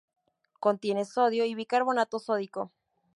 Contiene sodio y bicarbonato sódico.